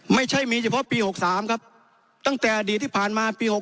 ไม่ใช่มีเฉพาะปี๖๓ครับตั้งแต่อดีตที่ผ่านมาปี๖๖